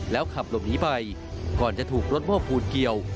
แล้วขับหลบหนีไปก่อนจะถูกรถโม้ปูนเกี่ยว